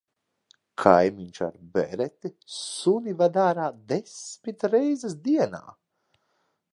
Kaimiņš ar bereti suni ved ārā desmit reizes dienā.